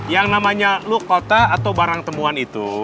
yang namanya lukota atau barang temuan itu